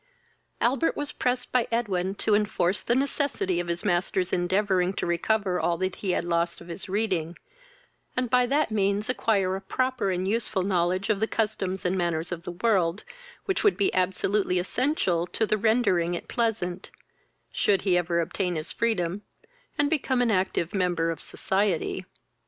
Albert was pressed by Edwin to enforce the necessity of his master's endeavouring to recover all that he had lost of his reading, and by that means acquire a proper and useful knowledge of the customs and manners of the world, which would be absolutely essential to the rendering it pleasant, should he ever obtain his freedom, and become an active member of society.